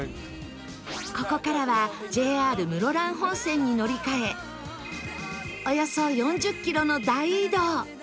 ここからは ＪＲ 室蘭本線に乗り換えおよそ４０キロの大移動